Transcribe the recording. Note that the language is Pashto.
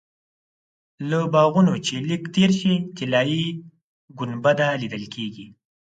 له باغونو چې لږ تېر شې طلایي ګنبده لیدل کېږي.